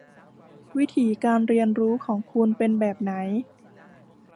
วิถีการเรียนรู้ของคุณเป็นแบบไหน